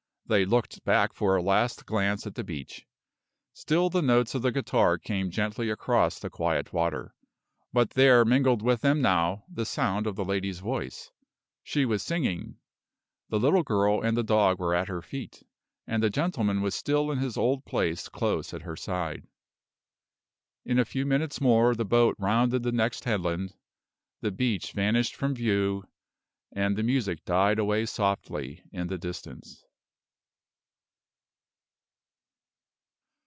They looked back for a last glance at the beach. Still the notes of the guitar came gently across the quiet water; but there mingled with them now the sound of the lady's voice. She was singing. The little girl and the dog were at her feet, and the gentleman was still in his old place close at her side. In a few minutes more the boat rounded the next headland, the beach vanished from view, and the music died away softly in the distance.